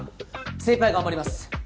精いっぱい頑張ります！